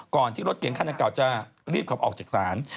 ก่อนที่รถเก่งขั้นตะเก่าจะรีบขับออกจากสาร